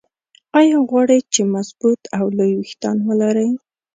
ايا غواړئ چې مضبوط او لوى ويښتان ولرى؟